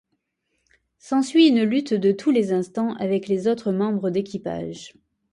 S'ensuit une lutte de tous les instants avec les autres membres d'équipage.